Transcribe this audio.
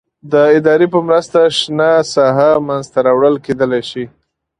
د ادارې په مرسته شنه ساحه منځته راوړل کېدلای شي.